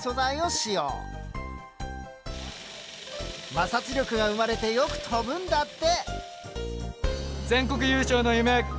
摩擦力が生まれてよく飛ぶんだって。